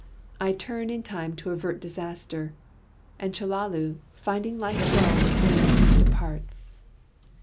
I turn in time to avert disaster, and Chellalu, finding life dull with me, departs.